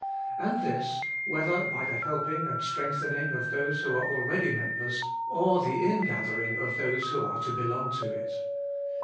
And this, whether by the helping and strengthening of those who are already members, or the ingathering of those who are to belong to it.